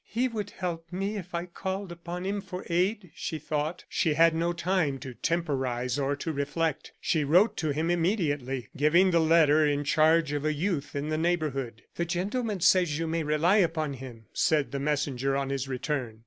"He would help me if I called upon him for aid," she thought. She had no time to temporize or to reflect; she wrote to him immediately, giving the letter in charge of a youth in the neighborhood. "The gentleman says you may rely upon him," said the messenger on his return.